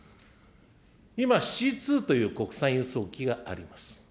今、Ｃ２という国産輸送機があります。